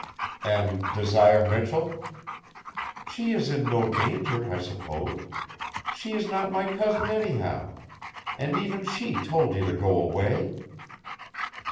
"And, Desire Michell?" "She is in no danger, I suppose. She is not my cousin, anyhow. And even she told you to go away."